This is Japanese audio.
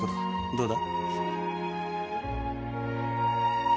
どうだ？